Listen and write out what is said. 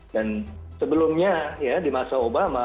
dan sebelumnya di masa obama